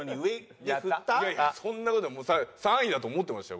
いやいやそんな事は３位だと思ってましたよ